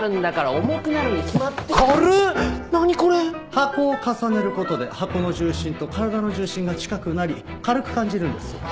箱を重ねる事で箱の重心と体の重心が近くなり軽く感じるんです。